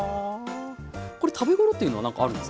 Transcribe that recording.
これ食べごろというのはなんかあるんですか？